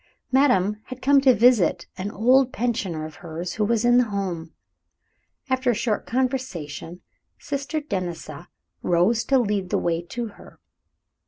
Madame had come to visit an old pensioner of hers who was in the home. After a short conversation, Sister Denisa rose to lead the way to her.